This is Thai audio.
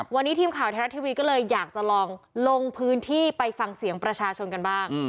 วันนี้ทีมข่าวไทยรัฐทีวีก็เลยอยากจะลองลงพื้นที่ไปฟังเสียงประชาชนกันบ้าง